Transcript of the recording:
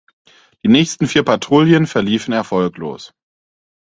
Die nächsten vier Patrouillen verliefen erfolglos.